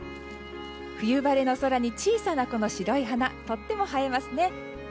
冬晴れの空に小さな白い花とっても映えますね。